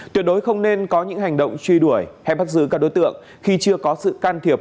tuyệt đối không nên có những hành động truy đuổi hay bắt giữ các đối tượng khi chưa có sự can thiệp